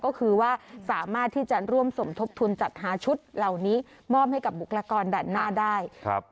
ก็คือว่าสามารถที่จะร่วมสมทบทุนจัดหาชุดเหล่านี้มอบให้กับบุคลากรด่านหน้าได้ครับ